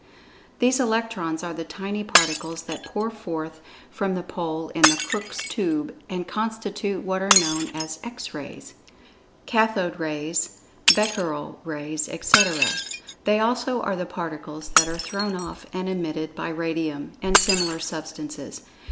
These Electrons are the tiny particles that pour forth from the pole in the Crookes' Tube, and constitute what are known as "X Rays," "Cathode Rays," "Becquerel Rays," etc. They also are the particles that are thrown off and emitted by Radium, and similar substances.